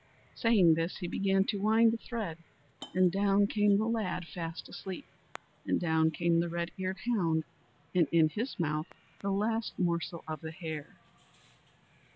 Saying this he began to wind the thread, and down came the lad fast asleep; and down came the red eared hound and in his mouth the last morsel of the hare.